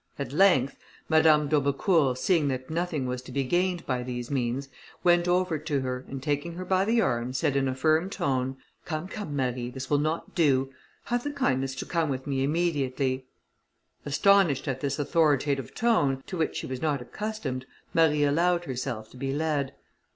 At length, Madame d'Aubecourt seeing that nothing was to be gained by these means, went over to her, and taking her by the arm, said in a firm tone, "Come, come, Marie, this will not do; have the kindness to come with me immediately." Astonished at this authoritative tone, to which she was not accustomed, Marie allowed herself to be led.